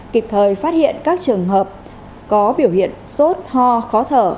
kịp thời phát hiện các trường hợp có biểu hiện sốt